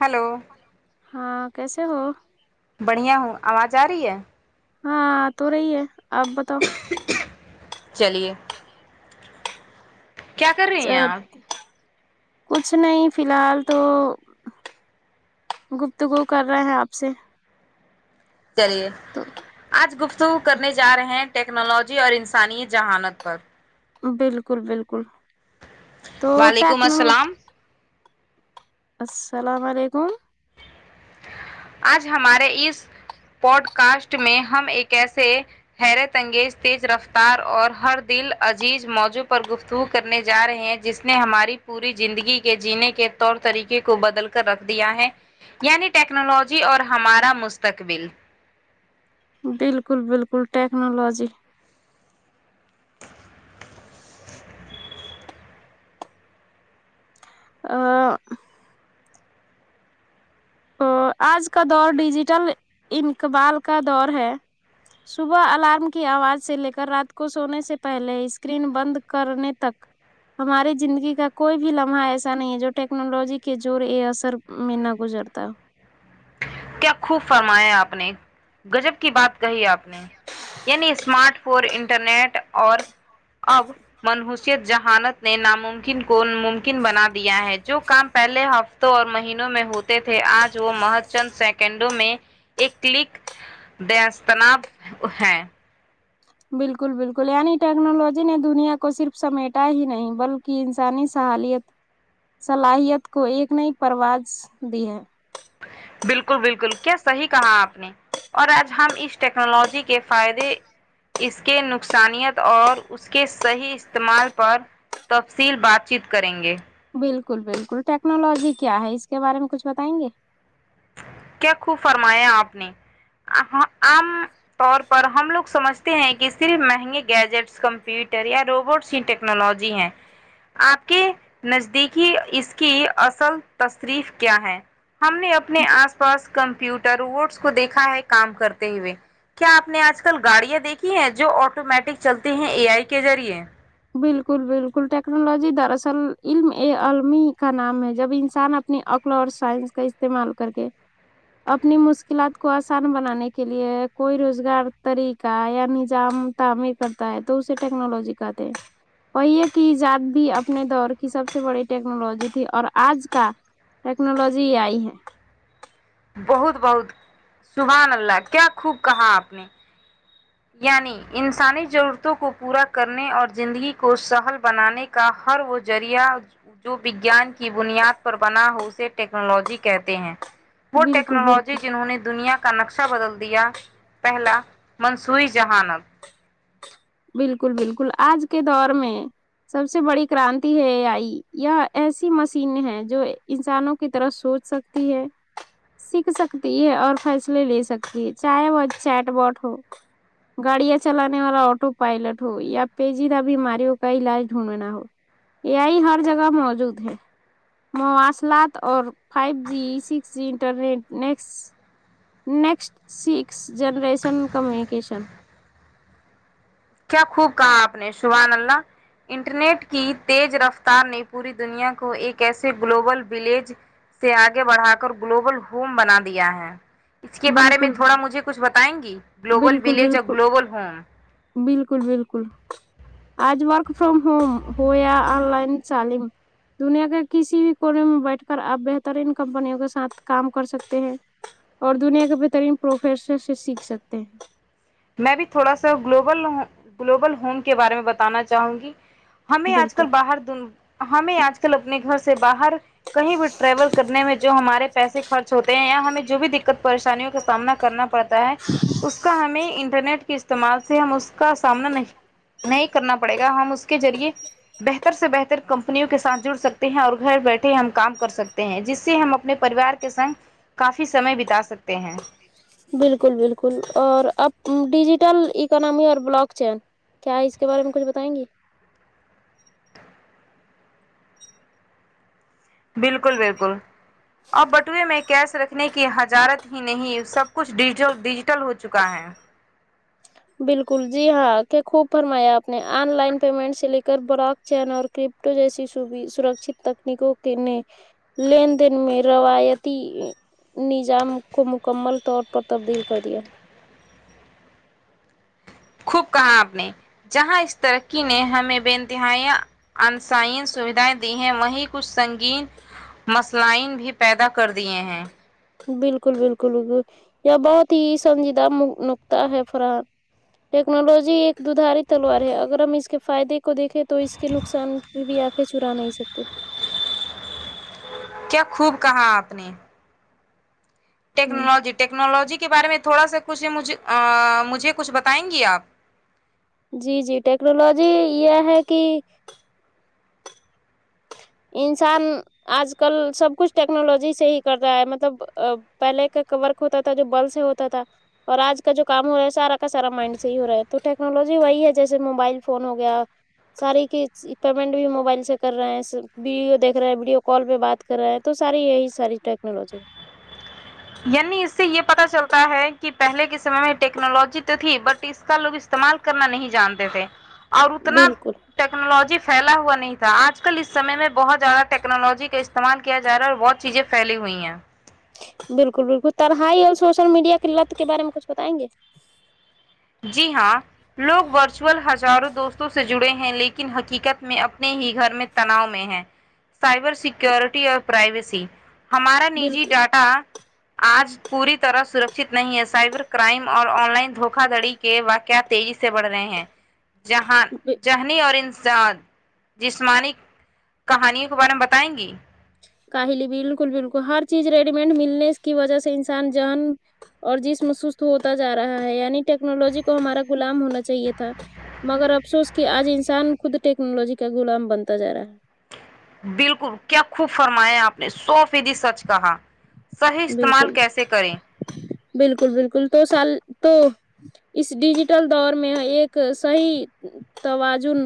hello ہاں کیسے ہو بڑھیا ہوں آواز آ رہی ہے ہاں آتو رہی ہے آپ بتاؤ چلیے کیا کر رہی ہیں آپ کچھ نہیں فی الحال تو گفتگو کر رہے ہیں آپ سے چلیے تو آج گفتگو کرنے جارہے ہیں ٹیکنالوجی اور انسانی ذہانت پر بالکل بالکل وعلیکم تیکنالوجی السلام السلام علیکم آج ہمارے اس پوڈ کاسٹ میں ہم ایک ایسے حیرت انگیز تیز رفتار اور ہر دل عزیز موضوع پر گفت کرنے جا رہے ہیں جس نے ہماری پوری زندگی کے جینے کے طور طریقے کو بدل کر رکھ دیا ہے یعنی ٹیکنالوجی اور ہمارا مستقبل بالکل بالکل ٹیکنالوجی آ آں او آج کا دور ڈیجیٹل انقبال کا دور ہے صبح الارم کی آواز سے لے کر رات کو سونے سے پہلے اسکرین بند کرنے تک ہماری زندگی کا کوئی بھی لمحہ ایسا نہیں ہے جو ٹیکنالوجی کے دور عصر میں نہ گزرتا ہو کیا خوب فرمایا آپ نے گجب کی بات کہی آپ نے یعنی اسمارٹ فون انٹرنیٹ اور اب منحوسیت ذہانت نے ناممکن کون ممکن بنا دیا ہے جو کام پہلے ہفتوں اور مہینوں میں ہوتا تے تھے آج وہ مہت چند سیکنڈ تو میں ایک کلک دستناب ہیں بالکل بالکل یعنی ٹیکنالوجی نے دنیا کو صرف سمیٹا ہی نہیں بل کی انسانی صلیحیت صلاحیت کو ایک نئی پرواز دی ہے بالکل بالکل کیا صحیح کہا آپ نے اور آج ہم اس ٹیکنالوجی کے فائدے اس کے نقصانیت اور اس کے صحیح استعمال پر تفصیل بات چیت کریں گے بالکل بالکل ٹیکنالوجی کیا ہے اس کے بارے میں کچھ بتائیں گے کیا خوب فرمایا آپ نے [unintelligible] آم طور پر ہم لوگ سمجھتے ہیں کہ صرف مہنگے گیجٹس کمپیوٹر یا روبوٹسٹ انٹر ٹیکنالوجی ہے آپ کی نزدیکی اس کی اصل تصریف کیا ہے ہم نے اپنے آس پاس کمپیوٹروٹس کو دیکھا ہے کام کرتے ہوئے کیا آپ نے آج کل گاڑیاں دیکھی ہیں جو آٹومیٹک چلتی ہیں اے آئی کے ذریعے بالکل بالکل ٹیکنالوجی دراصل علم ا علمی کا نام ہے جب انسان اپنی عقل اور سائنس کا استعمال کر کے اپنی مشکلات کو آسان بنانے کے لیے کوئی روزگار طریقہ یا نظام تعمیر کرتا ہے تو اسے ٹیکنالوجی کہتے ہیں وہی ہے کہ ایجاد بھی اپنے دور کی سب سے بڑی ٹیکنالوجی تھی اور آج کا ٹیکنالوجی آئی ہے بہت بہت سبحان اللہ کیا خوب کہا آپ نے یعنی انسانی ضرورتوں کو پورا کرنے اور زندگی کو سہل بنانے کا ہر وہ ذریعہ جو وگیان کی بنیاد پر بنا ہو اسے ٹیکنالوجی کہتے ہیں وہ بالکل ٹیکنالوجی بالکل جنہوں نے دنیا کا نقشہ بدل دیا پہلا سوئی جہانت بالکل بالکل آج کے دور میں سب سے بڑی کرانتی ہے اے آئی یہ ایسی مشین ہے جو انسانوں کی طرف سوچ سکتی ہے سیکھ سکتی ہے اور فیصلے لے سکتی ہے چاہے وہ چیٹ باٹ ہو گاڑیاں چلانے والا آٹو پائلٹ ہو یا پیجیدہ بیماری ہو کا علاج ڈھونڈنا ہو یہ ہی ہر جگہ موجود ہے مواصلات اور five G six G internet next next six generation communication کیا خوب کہا آپ نے سبحان اللہ انٹرنیٹ کی تیز رفتار نے پوری دنیا کو ایک ایسے گلوبل ولیج سے آگے بڑھا کر گلوبل ہوم بنا دیا ہے اس کے بارے میں بالکل تھوڑا مجھے کچھ بتائیں گی گلوبل بالکل ولیج اور بالکل گلوبل ہوم بالکل بالکل آج وارک فرم ہوم ہویا ان لائن چالیم دنیا کے کسی بھی کور میں بیٹھ کر آپ بہترین کمپنیوں کے ساتھ کام کر سکتے ہیں اور دنیا کے بہترین پروفیسر سے سیکھ سکتے ہیں میں بھی تھوڑا سا گلوبل گلوبل ہوم کے بارے میں بتانا چاہوں گی ہمیں آج بالکل کل باہر د ہمیں آج کل اپنے گھر سے باہر کہیں بھی ٹریول کرنے میں جو ہمارے پیسے خرچ ہوتے ہیں یا ہمیں جو بھی دقت پریشانیوں کے سامنا کرنا پڑتا ہے اس کا ہمیں انٹرنیٹ کے استعمال سے ہم اس کا سامنا نہیں نہیں کرنا پڑے گا ہم اس کے ذریعے بہتر سے بہتر کمپنیوں کے ساتھ جڑ سکتے ہیں اور گھر بیٹھے ہم کام کر سکتے ہیں جس سے ہم اپنے پریوار سنگ کافی سمے بتا سکتے ہیں بالکل بالکل اور اب ڈیجیٹل اکناممی اور بلاک چین کیا اس کے بارے میں کچھ بتائیں گی بالکل بالکل اور بٹوئے میں کیش رکھنے کی حجارت ہی نہیں سب کچھ ڈیجیٹل ڈیجیٹل ہو چکا ہے بالکل جی ہاں کیا خوب فرمایا آپ نے آن لائن پیمنٹ سے لے کر براک چین اور کرپٹو جیسی سرکشت تکنیکوں کے نے لین دین میں روایتی نظام کو مکمل طور پر تبدیل کر دیا خوب کہا آپ نے جہاں اس ترقی نے ہمیں بے انتہایا انسائن سویدھائیں دی ہیں وہی کچھ سنگین مسلائین بھی پیدا کر دیے ہیں بالکل بالکل بکل یا بہت ہی سنجیدہ نکتاہ ہے فران ٹیکنالوجی ایک ددھاری تلوار ہے اگر ہم اس کے فائدے کو دیکھے تو اس کے نقصان بھی آنکھیں چرا نہیں سکتے کیا خوب کہاں آپ نے ہ ٹیکنالوجی ٹیکنالوجی کے بارے میں تھوڑا سا کچھ مجھ مجھے کچھ بتائیں گی آپ جی جی ٹیکنالوجی یہ ہے کہ انسان آج کل سب کچھ ٹیکنالوجی سے ہی کر رہا ہے مطلب پہلے کا کور ہوتا تھا جو بل سے ہوتا تھا اور آج کا جو کام ہو رہا ہے سارا کا سارا مائنڈ سے ہی ہو رہا ہے تو ٹیکنالوجی وہی ہے جیسے موبائل فون ہو گیا ساری کی پیمنٹ بھی موبائل سے کر رہے ہیں ویڈیو دیک رہے ہیں ویڈیو کال پہ بات کر رہے ہیں تو ساری یہی ساری ٹیکنالوجی یعنی اس سے یہ پتا چلتا ہے کہ پہلے کے سمے میں ٹیکنالوجی تو تھی بٹ اس کا لوگ استعمال کرنا نہیں جانتے تھے اور اتنا بالکل ٹیکنالوجی پھیلا ہوا نہیں تھا آج کل اس سمے میں بہت زیادہ ٹیکنالوجی کا استعمال کیا جا رہا اور بہت چیزیں پھیلی ہوئی ہیں بالکل بالکل ترہائی اور سوشل میڈیا کی لت کے بارے میں کچھ بتائیں گے جی ہاں لوگ ورچوئل ہزاروں دوستوں سے جڑے ہیں لیکن حقیقت میں اپنے ہی گھر میں تناؤ میں ہے سائبر سیکورٹی اور پرائیویسی ہمارا نجی بالکل ڈاٹا آج پوری طرح سرکشت نہیں ہے سائبر کرائم اور آن لائن دھوکہ دھڑی کے واقعات تیزی سے بڑھ رہے ہیں جہاں جہنی اور انساد جسمانی کہانیوں کے بارے میں بتائیں گی کاہلی بالکل بالکل ہر چیز ریڈی میڈ ملنے کی وجہ سے انسان جان اور جسم سست ہوتا جا رہا ہے یعنی ٹیکنالوجی کو ہمارا غلام ہونا چاہیے تھا مگر افسوس کہ آج انسان خود ٹیکنالوجی کا غلام بنتا جا رہا ہے بالکل کیا خوب فرمایا آپ نے سو فیدی سچ کہا صحیح استعمال بالکل کیسے کریں بالکل بالکل تو سال تو اس ڈیجیٹل دور میں ایک صحیح توازن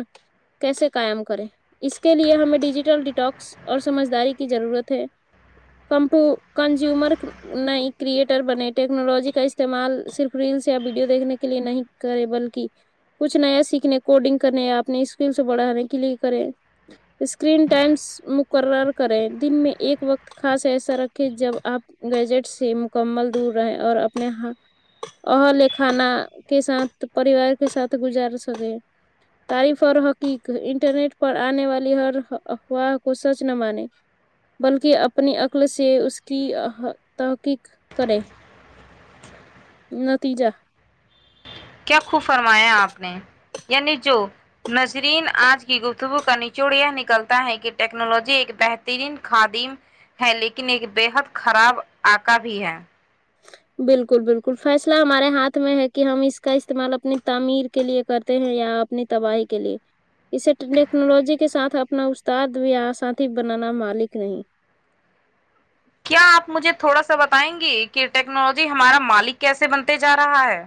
کیسے قائم کریں اس کے لیے ہمیں ڈیجیٹل ڈیٹاکس اور سمجھداری کی ضرورت ہے کمپو کنزیومر نی کریئٹر بنے ٹیکنالوجی کا استعمال صرف ریلس یا ویڈیو دیکھنے کے لیے نہیں کریں بلکہ کچھ نیا سیکھنے کوڈنگ کرنے یا اپنے اسکرین سے بڑھانے کے لیے کریں اسکرین ٹائمس مقرر کریں دن میں ایک وقت خاص ایسا رکھ کہ جب آپ گجٹ سے مکمل دور رہے اور اپنے ہا اور اہل خانہ کے ساتھ پریوار کے ساتھ گزار سکے تعریف اور حقیق انٹرنیٹ پر آنے والی ہر افواہ کو سچ نہ مانے بلکہ اپنی عقل سے اس کی تحقیق کریں نتیجہ کیا خوب فرمایا آپ نے یعنی جو نظرین آج کی گفتگو کا نچوڑ یہ نکلتا ہے کہ ٹیکنالوجی ایک بہترین خادیم ہے لیکن ایک بےحد خراب آقا بھی ہے بالکل بالکل فیصلہ ہمارے ہاتھ میں ہے کہ ہم اس کا استعمال اپنی تعمیر کے لیے کر تےہیں یا اپنی تباہی کے لیے اسے ٹیکنالوجی کے ساتھ اپنا استاد یا ساتھی بنانا مالک نہیں کیا آپ مجھے تھوڑا سا بتائیں گے کہ ٹیکنالوجی ہمارا مالک کیسے بنتے جا رہا ہے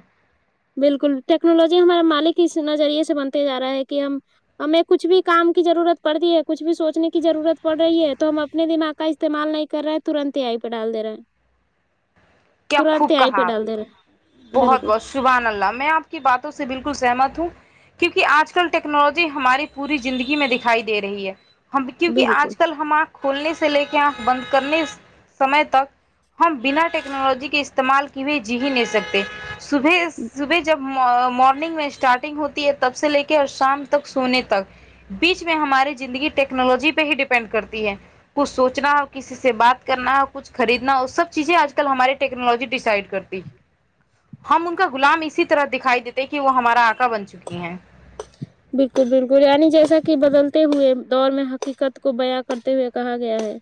بالکل ٹیکنالوجی ہمارے مالک اس نظریے سے بنتے جا رہا ہے کہ ہم ہمیں کچھ بھی کام کی ضرورت پڑتیی ہے کچھ بھی سوچنے کی ضرورت پڑ رہی ہے تو ہم اپنے دماغ کا استعمال نہیں کر رہے ہیں ترنت اے ای پہ ڈال دے رہے ہیں کیا ترنت خوب ہی آے آی پہ ڈال دے رہے بالکل سبحان اللہ میں آپ کی باتوں سے بالکل سہمت ہوں کیونکہ آج کل ٹیکنالوجی ہماری پوری زندگی میں دکھائی دے رہی ہے ہم کیونکہ آج بالکل کل ہمار کھولنے سے لے کے آنکھ بند کرنے سمے تک ہم بنا ٹیک ٹیکنالوجی کے استعمال کی ہوئے جی ہی نہیں صبح سکتے صبح جب مارننگ میں اسٹارٹنگ ہوتی ہے تب سے لے کے اور شام تک سونے تک بیچ میں ہماری زندگی ٹیکنالوجی پہ ہی ڈیپینڈ کرتی ہے کچھ سوچنا ہو کسی سے بات کرنا ہو کچھ خریدنا ہو سب چیزیں آج کل کل ہماری ٹیکنالوجی ڈسائڈ کرتی ہم ان کا غلام اسی طرح دکھائی دیتے کہ وہ ہمارا آقا بن چکی ہے بالکل بالکل یعنی جیسا کہ بدلتے ہوئے دور میں حقیقت کو بیاں کرتے ہوئے کہا گیا ہے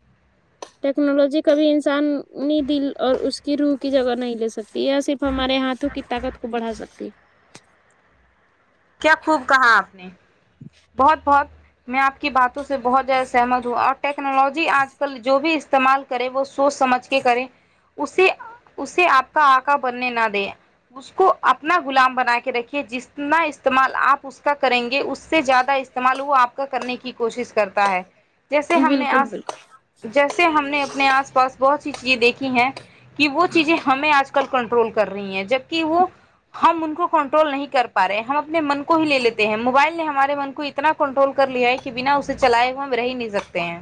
ٹیکنالوجی کبھی انسانی دل اور اس کی روح کی جگہ نہیں لے سکتی یہ صرف ہمارے ہاتھوں کی طاقت کو بڑھا سکتی کیا خوب کہاں آپ نے بہت بہت میں آپ کے کی باتوں سے بہت زیادہ سہمت ہو اور ٹیکنالوجی آج کل جو بھی استعمال کرے وہ سوچ سمجھ کے کرے اسے اسے آپ کا آقا بننے نہ دیں اس کو اپنا غلام بنا کے رکھیے جتنا استعمال آپ اس کا کریں گے اس سے زیادہ استعمال وہ آپ کا کرنے کی کوشش کرتا ہے جیسے ہے ہم نے بالکل آس بالکل جیسے ہم نے اپنے آس پاس بہت سی چیزیں دیکھی ہیں کہ وہ چیزیں ہمیں آج کل کنٹرول کر رہی ہیں جبکے وہ ہم ان کو کنٹرول نہیں کر پا رہے ہم اپنے من کو ہی لے لیتے ہیں موبائل نے ہمارے من کو اتنا کنٹرول کر لیا ہے کہ بنا اسے چلائے ہوئے ہم رہ ہی نہیں سکتے ہیں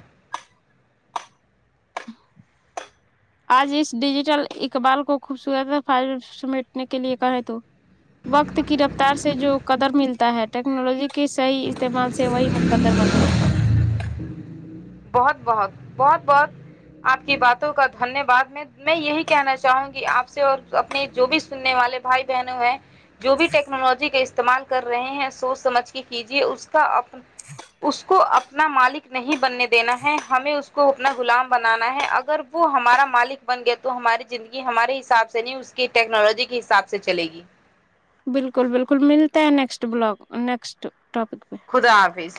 آج اس ڈیجیٹل اقبال کو خوبصورت ف سمیٹنے کے لیے کہیں تو [unintelligible] وقت کی رفتار سے جو قدر ملتا ہے ٹیکنالوجی کے صحیح استعمال سے وہی مقدر بنتا ہے بہت بہت بہت بہت آپ کی باتوں کا دھنیہ واد میں میں یہی کہنا چاہوں گی آپ سے اور اپنے جو بھی سننے والے بھائی بہنوں ہے جو بھی ٹیکنالوجی کا استعمال کر رہے ہیں سوچ سمجھ کے کیجیے اس کا اس کو اپنا مالک نہیں بننے دینا ہے ہمیں اس کو اپنا غلام بنانا ہے اگر وہ ہمارا مالک بن گیا تو ہماری زندگی ہمارے حساب سے نہیں اس ٹیکنالوجی کے حساب سے چلے گی بالکل بالکل ملتا ہے نیکسٹ بلاگ نیکسٹ ٹاپک پہ خدا حافظ